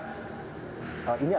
ini akan diperkenalkan